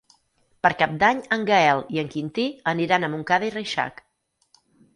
Per Cap d'Any en Gaël i en Quintí aniran a Montcada i Reixac.